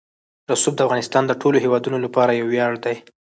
رسوب د افغانستان د ټولو هیوادوالو لپاره یو ویاړ دی.